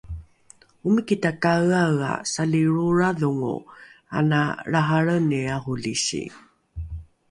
omiki takaeaea salilroolradhongo ana lrahalreni arolisi